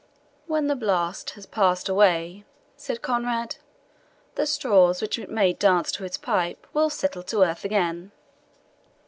"When the blast has passed away," said Conrade, "the straws, which it made dance to its pipe, will settle to earth again."